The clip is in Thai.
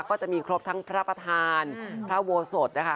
ก็จะมีครบทั้งพระประธานพระโบสถนะคะ